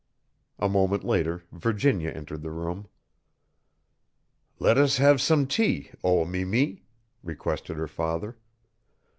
A moment later Virginia entered the room. "Let us have some tea, O mi mi," requested her father.